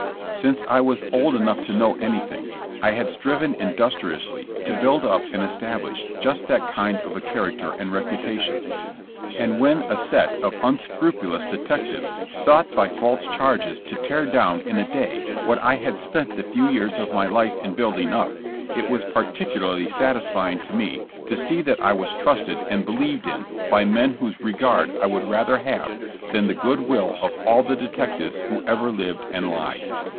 Since I was old enough to know anything I had striven industriously to build up and establish just that kind of a charac ter and reputation, and when a set of unscrupulous detectives sought by false charges to tear down in a day what I had spent the few years of my life in building up, it was peculiarly satisfying to me to see that I was trusted and believed in by men whose re gard I would rather have than the good will of all the detectives who ever lived and lied.